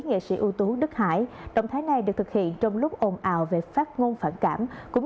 nghệ sĩ ưu tú đức hải động thái này được thực hiện trong lúc ồn ào về phát ngôn phản cảm cũng